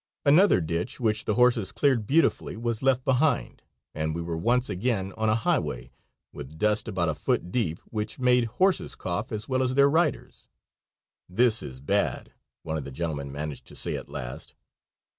Another ditch, which the horses cleared beautifully, was left behind, and we were once again on a highway, with dust about a foot deep, which made horses cough as well as their riders. "This is bad," one of the gentlemen managed to say at last.